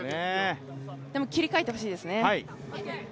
でも、切り替えてほしいですね。